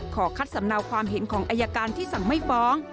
ขอคัดสำเนาความเห็นของอายการที่สั่งไม่ฟ้อง